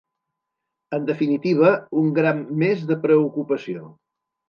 En definitiva, un gram més de preocupació.